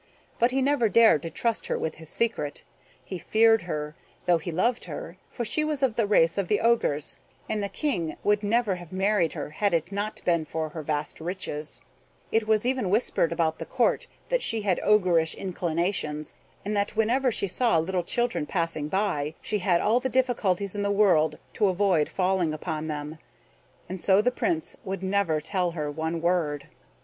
But he never dared to trust her with his secret; he feared her, though he loved her, for she was of the race of the Ogres, and the King would never have married her had it not been for her vast riches; it was even whispered about the Court that she had Ogreish inclinations, and that, whenever she saw little children passing by, she had all the difficulty in the world to avoid falling upon them. And so the Prince would never tell her one word.